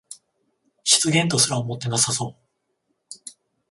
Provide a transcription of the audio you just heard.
失言とすら思ってなさそう